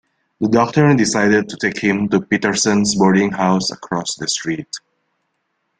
The doctor decided to take him to Petersen's boarding house across the street.